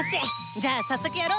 じゃあ早速やろ！